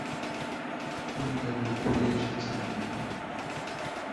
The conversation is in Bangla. তিনি কাবুল ফিরে এসেছিলেন।